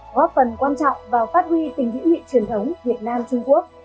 góp phần quan trọng vào phát huy tình nghĩa truyền thống việt nam trung quốc